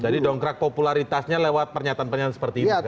jadi dongkrak popularitasnya lewat pernyataan pernyataan seperti ini sekarang